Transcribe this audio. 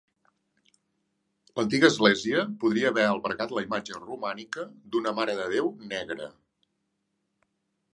L'antiga església podria haver albergat la imatge romànica d'una Mare de Déu negra.